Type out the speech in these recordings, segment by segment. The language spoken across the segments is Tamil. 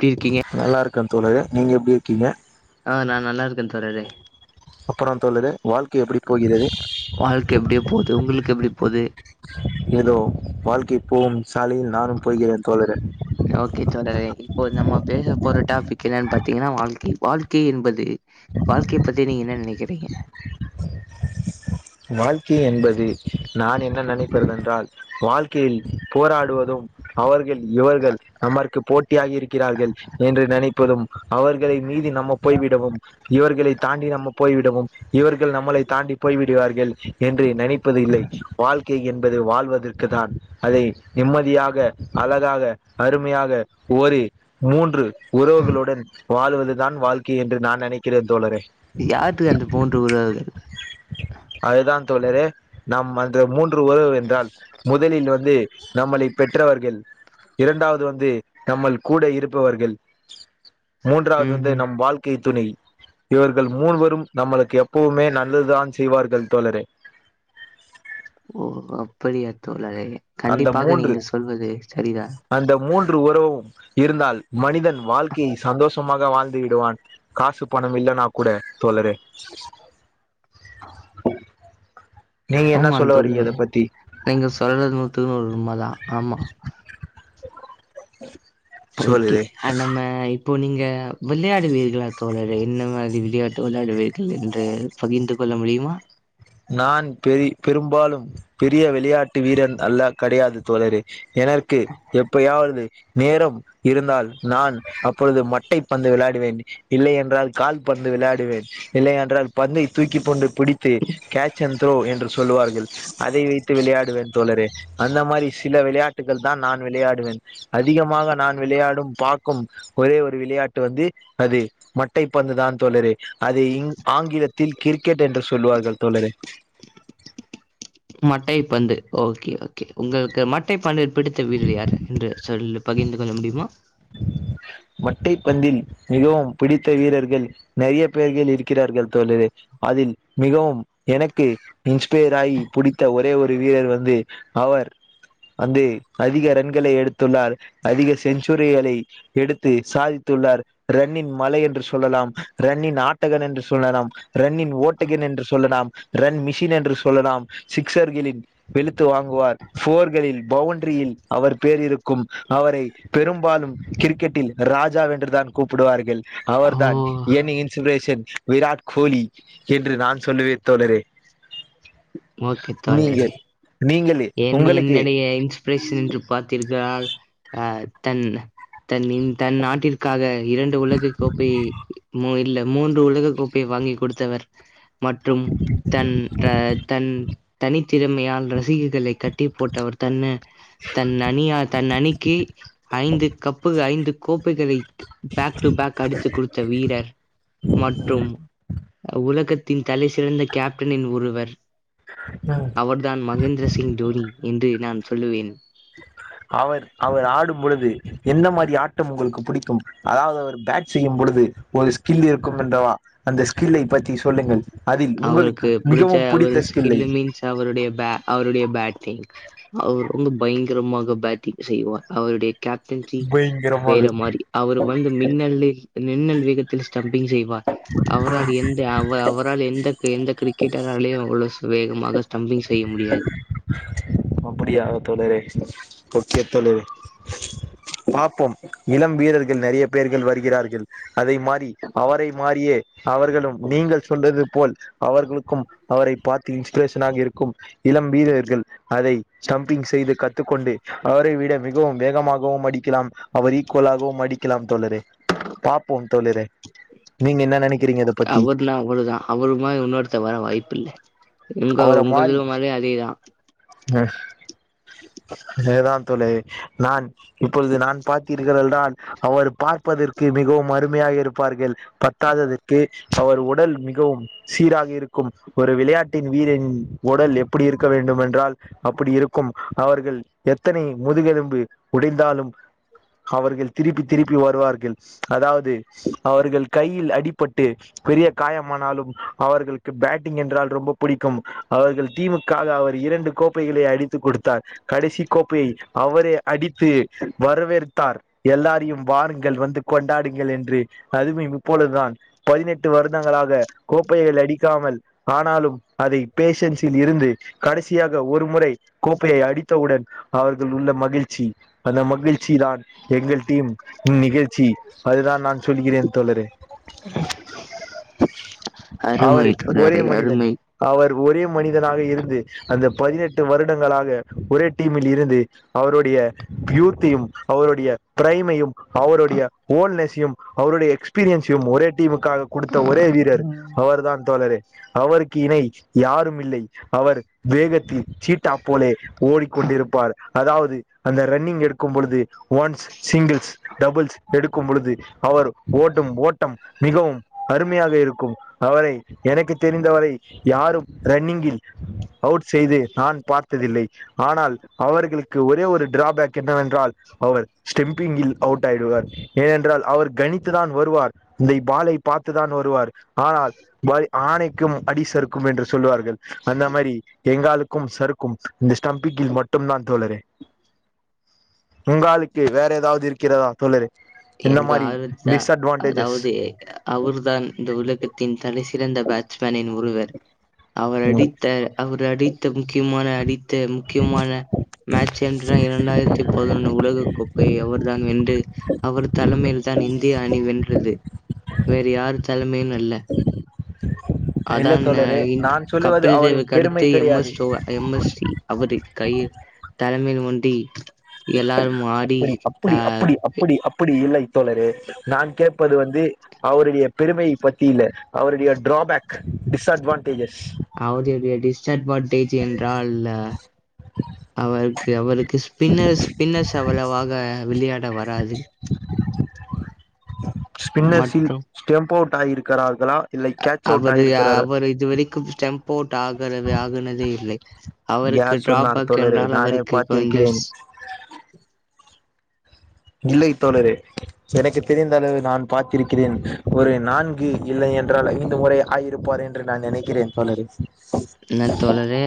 பிருக்கீங்க நல்லார்க்கே தோழரே நீங்க எப்டி இருக்கீங்க ஆ நா நல்லாருக்கே தோழரே அப்பறோ தோழரே வாழ்க்கை எப்டி போகிறது வாழ்க்க எப்டியோ போது உங்குளுக்கு எப்டி போது ஏதோ வாழ்க்கை போகும் சாலையில் நானும் போய்கிறேன் தோழரே ஓகே தோழரே இப்போ நம்ம பேச போற டாபிக் என்னன்னு பாத்தீங்கன்னா வாழ்க்கை வாழ்க்கை என்பது வாழ்க்கை பத்தி நீங்க என்ன நினைக்கிறீங்க வாழ்க்கை என்பது நான் என்ன நினைக்கிறது என்றால் வாழ்க்கையில் போராடுவதும் அவர்கள் இவர்கள் நமக்கு போட்டியாகி இருக்கிறார்கள் என்று நினைப்பதும் அவர்களை மீதி நம்ம போய்விடவும் இவர்களைத் தாண்டி நம்ம போய்விடவும் இவர்கள் நம்மளை தாண்டி போய்வி டுவார்கள் என்று நினைப்பது இல்லை வாழ்க் கை என்பது வாழ்வதற்கு தான் அதை நிம்மதியாக அழகாக அருமையாக ஒரு மூன்று உறவுகளுடன் வாழ்வதுதான் வாழ்க்கை என்று நான் நினைக்கிறேன் தோழரே யாருது அந்த மூன்று உறவுகள் அதுதான் தோழரே நம் அந்த மூன்று உறவு என்றால் முதலில் வந்து நம்மளை பெற்றவர்கள் இரண்டாவது வந்து நம்மள் கூட இருப்பவர்கள் மூன்றாவது ம் வந்து ம் நம் வாழ்க்கை துணை இவர்கள் மூன்வரும் நம்மளுக்கு எப்பவுமே நல்லதுதா செய்வார்கள் தோழரே ஓ அப்படியா தோழரே அந்த கண்டிப்பாக மூன்று நீங்க சொல்வது சரிதான் அந்த மூன்று உறவும் இருந்தால் மனிதன் வாழ்க்கையை சந்தோஷமாக வாழ்ந்துவிடுவான் காசு பணம் இல்லனா கூட தோழறே நீங்க என்ன ஆமான் சொல்ல வரீங்க தோழரே இத பத்தி நீங்க சொல்றது நூத்துக் நூறு உண்மதா ஆமா ஓகே சொல்லுறே ஆ நம்ம இப்போ நீங்க விளையாடுவீர்களா தோழரே என்ன மாதிரி விளையாட்டு விளையாடுவீர்கள் என்று பகிர்ந்து கொள்ள முடியுமா நான் பெரி பெரும்பாலும் பெரிய விளையாட்டு வீரன் அல்ல கடையாது தோழரே எனர்க்கு எப்பயாவது நேரம் இருந்தால் நான் அப்பொழுது மட்டை பந்து விளாடுவேன் இல்லை என்றால் கால் பந்து விளையாடுவேன் இல்லை என்றால் பந்தை தூக்கிக்கொண்டு பிடித்து கேச் ச் அண்ட் த்ரோ என்று சொல்லுவார்கள் அதை வைத்து விளையாடுவேன் தோழரே அந்த மாரி சில விளையாட்டுகள் தான் நான் விளையாடுவேன் அதிகமாக நான் விளையாடும் பாக்கும் ஒரே ஒரு விளையாட்டு வந்து அது மட்டை பந்து தான் தோழரே அது இங் ஆங்கிலத்தில் கிரிக்கெட் என்று சொல்லுவார்கள் தோழரே மட்டை பந்து ஓகே ஓகே உங்களுக்கு மட்டை பந்து பிடித்த வீரர் யாரு என்று சொல்லும் பகிர்ந்து கொள்ள முடியுமா மட்டை பந்தில் மிகவும் பிடித்த வீரர்கள் நெறைய பேர்கள் இருக்கிறார்கள் தோழரே அதில் மிகவும் எனக்கு இன்ஸ்பயர் ஆகி பிடித்த ஒ ஒரே ஒரு வீரர் வந்து அவர் வந்து அதிக ரன்களை எடுத்துள்ளார் அதிக செஞ்சுரிகளை எடுத்து சாதித்துள்ளார் ரன்னின் மலை என்று சொல்லலாம் ரன்னின் ஆட்டகன் என்று சொல்லலாம் ரன்னின் ஓட்டகன் என்று சொல்லலாம் ரன் மிஷின் என்று சொல்லலாம் சிக்சர்களின் வெளுத்து வாங்குவார் ஃபோர்களில் பவுண்டரியில் அவர் பேர் இருக்கும் அவரை பெரும்பாலும் கிரிக்கெட்டில் ராஜா என்றுதான் கூப்பிடுவார்கள் ஓ! அவர்தான் என் இன்ஸ்பிரேஷன் விராட் கோலி என்று நான் சொல்லுவே தோழரே ஓகே நீங்க தோழரே. நீங்களே என் என்ன உங்களுக்கு நீங்க என் இப்பவே சென்று பாத்திங்க்றால் ஆ தன் தன்னின் தன் நாட்டிற்காக இரண்டு உலகை கோப்பை இல்ல மூன்று உலக கோப்பை வாங்கி கொடுத்தவர் மற்றும் தன் த தன் தனித்திறமையால் ரசிக களை கட்டி போட்டவர் தன் தன் அணிய தன் அணிக்கு ஐந்து கப்புக ஐந்து கோப்பைகளை பேக் டு பேக் அடித்து குடுத்த வீரர் மற்றும் உலகத்தின் தலை சிறந்த கேப்டனின் ஒருவர் ஆ அவர்தான் மகேந்திர சி ங் தோனி என் று நான் சொல்லுவேன் அவர் அவர் ஆடும் பொழுது எந்த மாரி ஆட்டம் உங்களுக்கு புடிக்கும் அதாவது அவர் பேட் செய்யும் பொழுது ஒரு ஸ்கில் இருக்கும் என்றவா அந்த ஸ்கில்லை பத்தி சொல்லுங்கள் அதில் உங்களுக்கு அவருக்கு பிடிச்ச மிகவும் அவர் புடித்த ஸ்கில்லை ஸ்கில் மீன்ஸ் அவருடைய பே அவருடைய பேட்டிங் அவர் வந்து பயங்கரமாக பேட்டிங் செய்வார் அவருடைய கேப்டன்சி வேற பயங்கரமாக மாரி அவர் வந்து மின்னலில் மின்னல் வேகத்தில் ஸ்டம்பிங் செய் வார் அவரால் எந்த அவ அவரால் எந்த எந்த கிரிக்கெட்டராலையு அவ்ளோ வேகமாக ஸ்டம்பிங் செய்ய முடியாது அப்படியா தோழரே ஓகே தோழரே பாப்போம் இளம் வீரர்கள் நெறைய பேர்கள் வருகிறார்கள் அதை மாறி அவரை மாறியே அவர்களும் நீங்கள் சொல்றது போல் அவர்களுக்கும் அவரை பார்த்து இன்ஸ்பிரேஷனாக இருக்கும் இளம் வீரர்கள் அதை ஸ்டம்பிங் செய்து கத்துக்கொண்டு அவரை விட மிகவும் வேகமாகவும் அடிக்கிலாம் அவர் ஈக்குவலாகவும் அடிக்கிலாம் தோழரே பாப்போம் தோழரே நீங்க என்ன நெனைக்கிறீங்க இத பத்தி அவர்லா அவ்ளோதா அவரு மாறி இன்னொருத்த வர வாய்ப்புல்ல அவர மாறி அ அதே தா தோழரே நான் இப்பொழுது நான் பார்த்தீர்கள் என்றால் அவர் பார்ப்பதற்கு மிகவும் அருமையாக இருப்பார்கள் பத்தாததக்கு அவர் உடல் மிகவும் சீராக இருக்கும் ஒரு விளையாட் டின் வீரரின் உடல் எப்படி இருக்க வேண்டும் என்றால் அப்படி இருக்கும் அவர்கள் எத்தனை முதுகெலும்பு உடைந்தாலும் அவர்கள் திருப்பி திருப்பி வருவார்கள் அதாவது அவர்கள் கையில் அடிப்பட்டு பெரிய காயமானாலும் அவர்களுக்கு பேட்டிங் என்றால் ரொம்ப புடிக்கும் அவர்கள் டீமுக்காக அவர் இரண்டு கோப்பைகளை அடித்து கொடுத்தார் கடைசி கோப்பையை அவரே அடித்து வரவேற்த்தார் எல்லாரையும் வாருங்கள் வந்து கொண்டாடுங்கள் என்று அதுமே இப்பொழுதான் பதினெட்டு வருடங்களாக கோப்பைகள் அடிக்காமல் ஆனாலும் அதை பேஷன்ஸில் இருந்து கடைசியாக ஒரு முறை கோப்பையை அடித்தவுடன் அவர்கள் உள்ள மகிழ்ச்சி அந்த மகிழ்ச்சி தான் எங்கள் டீம் நிகழ்ச்சி அதுதா நான் சொல்கிறேன் தோழரே அருமை அவரு ஒரே தோழரே மனிதன் அருமை அவர் ஒரே மனிதனாக இருந்து அந்த பதினெட்டு வருடங்களாக ஒரே டீமில் இருந்து அவருடைய பியூட்தியும் அவருடைய ப்ரைமையும் அவருடைய ஓல்னெஸையும் அவருடைய எக்ஸ் பீரியன்ஸையும் ஒரே டீமுக்காக ஆ குடுத்த ஒரே வீரர் அவர்தான் தோழரே அவருக்கு இணை யாருமில்லை அவர் வேகத்தில் சீட்டா போலே ஓடிக் கொண்டிருப்பார் அதாவது அந்த ரன்னிங் எடுக்கும் பொழுது ஒன்ஸ் சிங்கிள்ஸ் டபுள்ஸ் எடுக்கும் பொழுது அவர் ஓட்டும் ஓட்டம் மிகவும் அருமையாக இருக்கும் அவரை எனக்கு தெரிந்தவரை யாரும் ரன்னிங்கில் அவுட் செய்து நான் பார்த்ததில்லை ஆனால் அவர்களுக்கு ஒரே ஒரு டிராபேக் என்னவென்றால் அவர் ஸ்டெம்பிங்கில் அவுட் ஆகிடுவார் ஏனென்றால் அவர் கணித்து தான் வருவார் இந்தை பாலை பார்த்துதான் வருவார் ஆனால் பாலே ஆணைக்கும் அடிச ருக்கும் என்று சொல்லுவார்கள் அந்த மாரி எங்க ஆளுக்கும் சருக்கும் இந்த ஸ்டம்பிக்கில் மட்டம் தான் தோழரே உங்க ஆளுக்கு வேற ஏதாவது இருக்கிறதா தோழரே இந்த எங்க மாதிரி ஆளுக்கா டிஸ்அட்வான்டேஜஸ் அதாவது அ அவர்தான் இந்த உலகத்தின் தலைசிறந்த பேட்ஸ்மேனின் ஒருவர் அவர் ம் அடித்த அவர் அடித்த முக்கியமான அடித்த முக்கியமான மேட்ச் என்றால் இரண்டாயிரத்தி பதினொன்ட்டு உலக கோப்பை அவர்தா வென்று அவர் தலைமையில்தான் இந்திய அணி வென்றது வேற யார் தலைமையிலு இல்ல இல்ல அதான்னு தோழரே எ நான் சொல்லுவது கபில் அவரின் தேவுக்கு பெருமை அடுத்து எம் கிடையாது எஸ் தோ வ அ எம் எஸ் வி அவரது கையில் தலைமையில் ஒன்றி அப்பிடி அப்பிடி அப்பிடி அப்பிடி அப்பிடி இல்லை தோழரே நான் கேட்பது வந்து அவருடைய பெருமைையை பத்திய இல்ல அவருடைய டிராபேக்கு டிஸ் அட்வான்டேஜஸ் அவருடைய டிஸ் அட்வான்டேஜ் என்றால்ல அவருக்கு அவருக்கு ஸ்பின்னர் ஸ்பின்னர்ஸ் அவ்ளோவாக விளையாட வராது ஸ்பின்னர்ஸில் மற்றும் ஸ்டெம்ப் அவுட் ஆகிருக்கிறார்களா அவரு அவரு இதுவரைக்கும் ஸ்டெம்போட் ஆகறவ ஆகனதே இல்லை அவருக்கு யார் சொன்னார் ட்ராபெக் தோழரே என்றால் நானே அவருக்கு கொஞ்சோ பார்த்திருக்கிறேன் ஸ் இல்லை தோழரே எனக்கு தெரிந்தளவு நான் பார்த்திருக்கிறேன் ஒரு நான்கு இல்லை என்றால் ஐந்து முறை ஆயிருப்பார் என்று ன்று நான் நெனைக்கிறேன் தோழரே என்னங் தோழரே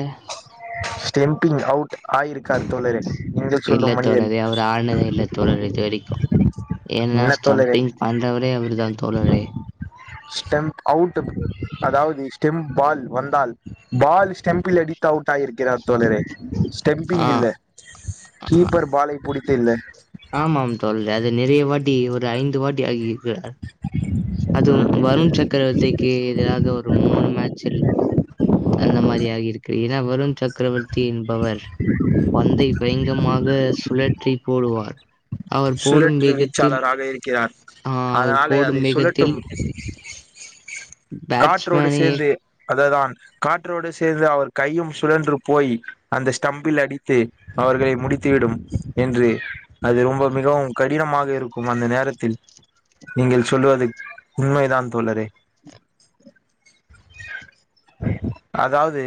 ஸ்டெம்பிங் அவுட் ஆயிருக்கார் தோழரே நீங்கள் இல்ல சொல்லும் மனிதர் தோழரே அவரு ஆனதே இல்ல தோழரே இது வரைக் கு ஏன்னா என்ன தோழரே ஸ்டம்பிங் பண்றவரே அவரு தா தோழரே ஸ்டெம்ப் அவுட் அதாவது ஸ்டெம்ப் பால் வந்தால் பால் ஸ்டெம்பில் அடித்து அவுட் ஆயிருக்கிறார் தோழரே ஸ்டெம்பிங் ஆ இல்ல கீப்பர் பாலை புடித்து இல்ல ஆமா தோழரே அது நெறைய வாட்டி ஒரு ஐந்து வாட்டி ஆகிருக்கு அதுவும் வருண் சக்கரவர்த்திக்கு எதிராகவுர் ஒரு மூணு மேச்சில் அந்த மாரி ஆகிருக்கு ஏன்னா வருண்சக் கரவர்த்தி என்பவர் பந்தை பயங்கமாக சுழற்றி போடுவார் அவர் போடும் சுழற்று வேகத்தில் வீச்சாளராக இருக்கிறார் ஆ அவர் அதனால அதை போடும் சுழற்று வேகத்தில் [inaudible] காற்றோடு பேட்ஸ்மேனையே சேர்ந்து அததான் காற்றோடு சேர்ந்து அவர் கையும் சுழன்று போய் அந்த ஸ்டம்பில் அடித்து அவர்களை முடித்துவிடும் என்று அது ரொம்ப மிகவும் கடினமாக இருக்கும் அந்த நேரத்தில் நீங்கள் சொல்லுவது உண்மைதான் தோழரே அதாவது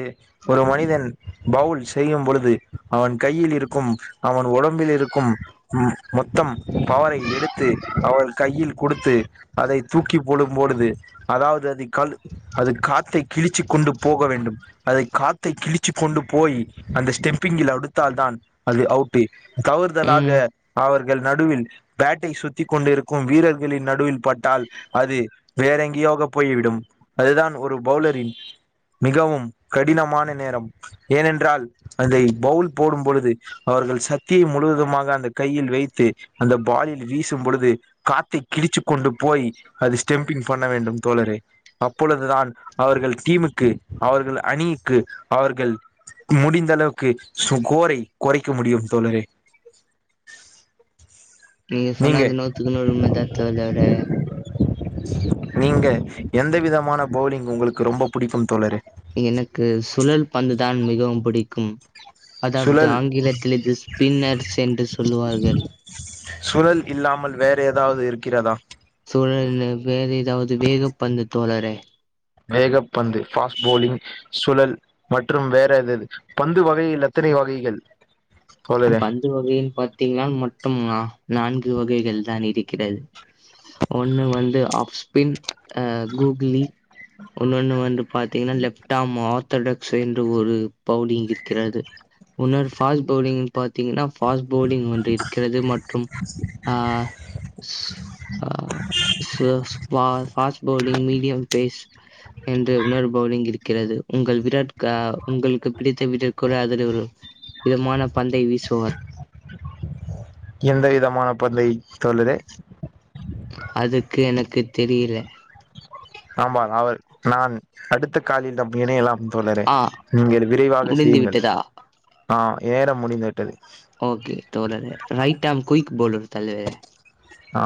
ஒரு மனிதன் பவுல் செய்யும் பொழுது அவன் கையில் இருக்கும் அவன் ஒடம்பில் இருக்கும் உம் மொத்தம் பவரை எடுத்து அவள் கையில் கொடுத்து அதை தூக்கி போடும்பொழுது அதாவ்து அதை கழு அது காத்தை கிழிச்சு கொண்டு போக வேண்டும் அதை காத்தை கிழிச்சு கொண்டு போய் அந்த ஸ்டெம்பிங்கில் அடுத்தால்தான் அது அவுட்டு தவறுதலாக ம் அவர்கள் நடுவில் பேட்டை சுத்தி கொண்டிருக்கும் வீரர்களின் நடுவில் பட்டால் அது வேறங்கோயகப் போய்விடும் அதுதான் ஒரு பவுலரின் மிகவும் கடினமான நேரம் ஏனென்றால் அந்தை பவுல் போடும் பொழுது அவர்கள் சக்தியை முழுவதுமாக அந்த கையில் வைத்து அந்த பாலில் வீசும் பொழுது காத்தை கிழிச்சு‌ கொண்டு போய் அது ஸ்டெம்பிங் பண்ண வேண்டும் தோழரே அப்பொழுதுதான் அவர்கள் டீமுக்கு அவர்கள் அணிக்கு அவர்கள் முடிந்த அளவுக்கு சுகோரை கொறைக்க முடியும் தோழரே நீங்க சொன்னது நூத்துக்கு நூறு உண்மதா தோழரே நீங்க எந்த விதமான பவுலிங் உங்களுக்கு ரொம்ப புடிக்கும் தோழரே எனக்கு சுழல் பந்து தான் மிகவும் பிடிக்கும் அதாவது சுழல் ஆங்கிலத்திலே இது ஸ்பின்னர்ஸ் என்று சொல்லுவார்கள் சுழல் இல்லாமல் வேற ஏதாவ்து இருக்கிறதா சுழல் வேறு ஏதாவது வேக பந்து தோழரே வேக பந்து பாஸ்ட் போலிங் சுழல் மற்றும் வேற எது பந்து வகையில் எத்தனை வகைகள் தோழரே பந்து வகைன்னு பாத்தீங்கன்னா மட்டும் நான்கு வகைகள் தான் இருக்கிறது ஒண்ணு வந்து ஆப்ஸ்பின் அ கூக்லி ஒன்னொண்ணு வந்து பாத்தீங்கன்னா லெப்டார்ம் மாத் ஆர்தடக்ஸ் என்று ஒரு பவுலிங் இருக்கிறது உன்னொரு பாஸ்ட் பவுலிங் பாத்தீங்கன்னா பாஸ்ட் போலிங் ஒன்று இருக்கிறது மற்றும் ஆ ஸ் ஆ சஷ்பா ஃபாஸ்ட் போலிங் மீடியம் பேஸ் என்று உன்னோரு பவுலிங் இருக்கிறது உங்கள் விராட் கா உங்களுக்கு பிடித்த வீரர் கூட அதில் ஒரு விதமான பந்தை வீசுவார் எந்த விதமான பந்தை தோழரே அதுக்கு எனக்கு தெரியல ஆமால் அவர் நான் அடுத்த காலில் நாம் இணையலாம் தோழரே ஆ நீங்கள் விரைவாக முடிந்து செய்யுங்கள் விட்டதா? ஆ நேரம் முடிந்து விட்டது ஓகே தோழரே ரைட் ஆம் குய்க் போலுரு தலைவரே ஆ